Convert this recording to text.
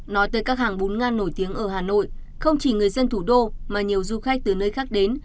nói tới các hàng bún ngan nổi tiếng ở hà nội không chỉ người dân thủ đô mà nhiều du khách từ nơi khác đến